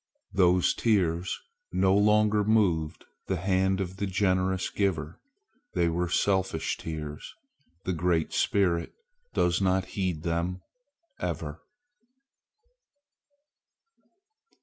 Those tears no longer moved the hand of the Generous Giver. They were selfish tears. The Great Spirit does not heed them ever.